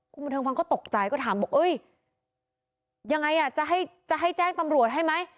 คุณบันเทิงฟังก็ตกใจก็ถามบอกเอ้ยยังไงอ่ะจะให้จะให้แจ้งตำรวจให้ไหม